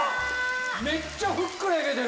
めっちゃふっくら焼けてる！